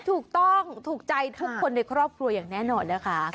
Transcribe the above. ถูกต้องถูกใจทุกคนในครอบครัวอย่างแน่นอนนะคะ